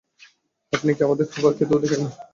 আপনি আমাদের খাবার খেতেও দেখে নিয়েন।